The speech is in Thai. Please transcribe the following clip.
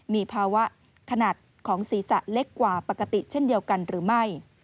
มีภาวะขนาดของศีรษะเล็กกว่าปกติเช่นเดียวกันหรือไม่